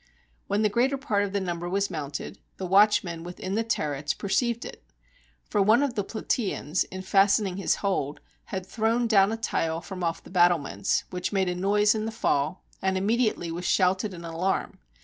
When the greater part of the number was mounted, the watchmen within the turrets perceived it. For one of the Plataeans, in fastening his hold, had thrown down a tile from off the battlements, which made a noise in the fall; and immediately was shouted an alarm.